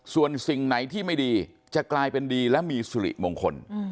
ส่วนสิ่งไหนที่ไม่ดีจะกลายเป็นดีและมีสุริมงคล